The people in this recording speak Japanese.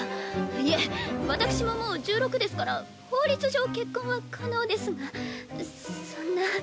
いえ私ももう１６ですから法律上結婚は可能ですがそそんな。